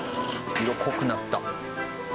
色濃くなった。